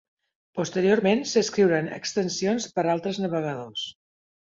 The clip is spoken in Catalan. Posteriorment s'escriuran extensions per altres navegadors.